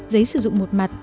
giấy sử dụng một mặt